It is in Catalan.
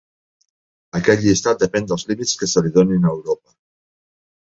Aquest llistat depèn dels límits que se li donin a Europa.